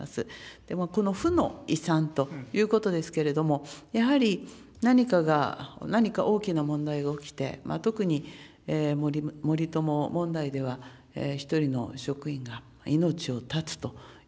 でもこの負の遺産ということですけれども、やはり何かが、何か大きな問題が起きて、特に森友問題では、一人の職員が命を絶つとい